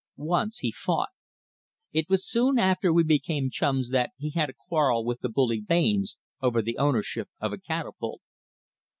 Once he fought. It was soon after we became chums that he had a quarrel with the bully Baynes over the ownership of a catapult.